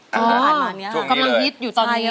อ๋อกำลังฮิตอยู่ตอนนี้